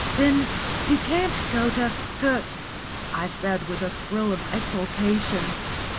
"Then you can't go to to !" I said, with a thrill of exultation.